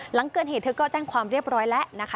หลังเกิดเหตุเธอก็แจ้งความเรียบร้อยแล้วนะคะ